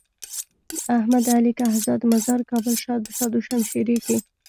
احمد علي کهزاد مزار کابل شاه دو شمشيره کي۔